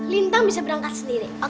lintang bisa berangkat sendiri